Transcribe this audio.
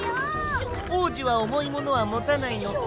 おうじはおもいものはもたないのさ。